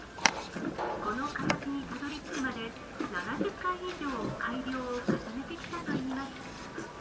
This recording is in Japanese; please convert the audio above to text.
この形にたどりつくまで、７０回以上、改良を重ねてきたといいます。